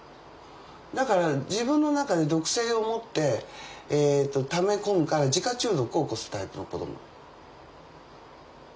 だから自分の中で毒性を持ってため込むから自家中毒を起こすタイプの子供。